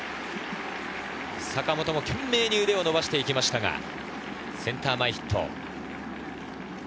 坂本も懸命に腕を伸ばして行きましたが、センター前ヒット。